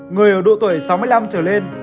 người ở độ tuổi sáu mươi năm trở lên